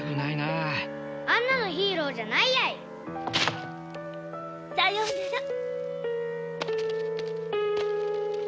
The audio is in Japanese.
あんなのヒーローじゃないやい！さようなら。